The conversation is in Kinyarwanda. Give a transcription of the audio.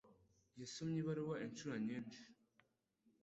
Yasomye ibaruwa inshuro nyinshi.